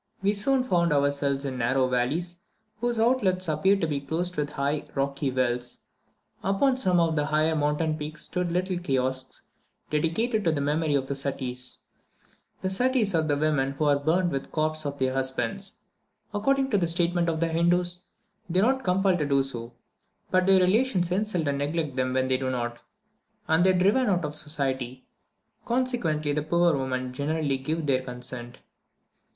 We soon found ourselves in narrow valleys, whose outlets appeared to be closed with high, rocky wells. Upon some of the higher mountain peaks stood little kiosks, dedicated to the memory of the Suttis. The Suttis are those women who are burnt with the corpse of their husbands. According to the statement of the Hindoos, they are not compelled to do so, but their relations insult and neglect them when they do not, and they are driven out of society; consequently the poor women generally give their free consent.